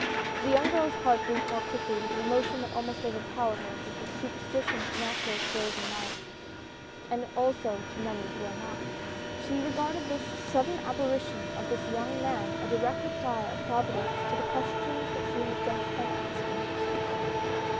The young girl's heart beat more quickly with an emotion that almost overpowered her with the superstition natural to those in love, and also to many who are not, she regarded this sudden apparition of this young man a direct reply of Providence to the questions that she had just been asking herself.